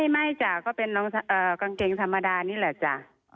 ไม่จ้ะก็เป็นกางเกงธรรมดานี่แหละจ้ะ